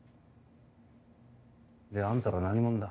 であんたら何者だ？